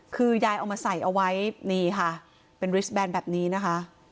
คือยายเอามาใส่เอาไว้นี่ค่ะเป็นริสแบนแบบนี้นะคะ